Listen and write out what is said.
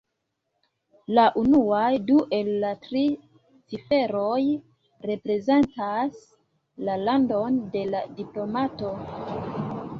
La unuaj du el la tri ciferoj reprezentas la landon de la diplomato.